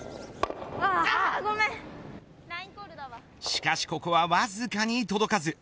しかし、ここはわずかに届かず。